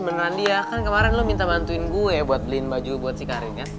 menan dia kan kemarin lo minta bantuin gue buat beliin baju buat si karin kan